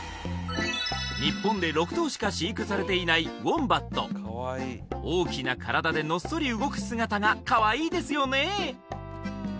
日本で６頭しか飼育されていないウォンバット大きな体でのっそり動く姿がかわいいですよね！